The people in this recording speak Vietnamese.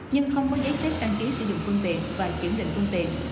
nhưng không có giấy phép đăng ký sử dụng phương tiện và kiểm định phương tiện